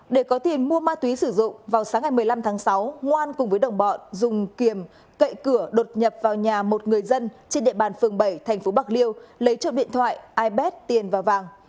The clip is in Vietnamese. để có tiền mua ma túy sử dụng vào sáng ngày một mươi năm tháng sáu ngoan cùng với đồng bọn dùng kiềm cậy cửa đột nhập vào nhà một người dân trên địa bàn phường bảy thành phố bạc liêu lấy trộm điện thoại ip tiền và vàng